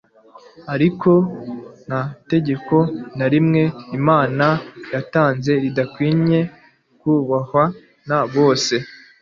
Ariko nta tegeko na rimwe Imana yatanze ridakwinye kubahwa na bose.